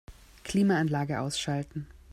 Klimaanlage ausschalten.